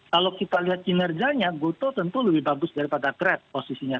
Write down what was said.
kalau kita lihat kinerjanya gotoh tentu lebih bagus daripada grab posisinya